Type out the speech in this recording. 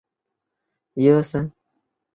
集惠寺始建于清朝乾隆四十八年。